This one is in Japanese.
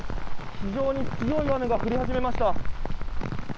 非常に強い雨が降り始めました。